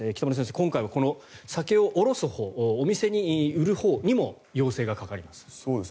今回はこの酒を卸すほうお店に売るほうにも要請がかかります。